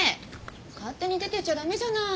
勝手に出てっちゃ駄目じゃない。